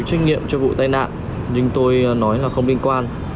tôi chỉ trách nhiệm cho vụ tai nạn nhưng tôi nói là không liên quan